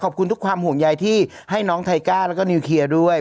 ขอบคุณทุกความห่วงใยที่ให้น้องไทก้าแล้วก็นิวเคลียร์ด้วย